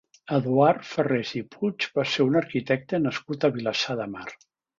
Eduard Ferrés i Puig va ser un arquitecte nascut a Vilassar de Mar.